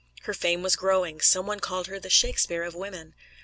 Her fame was growing: some one called her the Shakespeare of women.